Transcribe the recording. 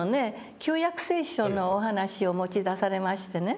「旧約聖書」のお話を持ち出されましてね。